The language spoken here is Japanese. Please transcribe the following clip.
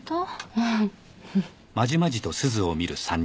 うん。